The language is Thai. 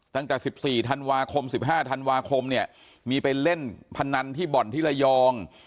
ตั้งแต่๑๔ธันวาคม๑๕ธันวาคมเนี่ยมีไปเล่นพนันที่บ่อนที่ระยอง